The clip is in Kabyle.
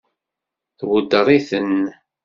Tweddeṛ-iten?